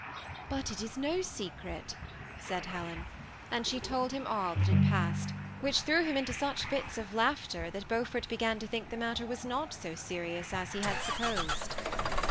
^ But it is no secret," said Helen ; and she told him all that had passed, which threw him into such fits of laughter, that Beaufort began to think the matter was not so serious as he had supposed.